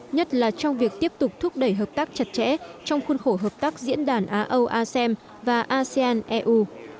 nhất là trong việc tiếp tục thúc đẩy hợp tác chặt chẽ trong khuôn khổ hợp tác diễn đàn á âu asem và asean eu